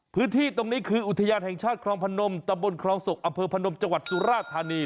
พื้นที่ตรงนี้คืออุทยานแห่งชาติคลองพนมตะบนคลองศกอำเภอพนมจังหวัดสุราธานี